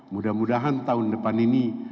mudah mudahan tahun depan ini